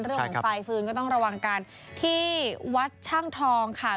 เรื่องของไฟฟืนก็ต้องระวังกันที่วัดช่างทองค่ะ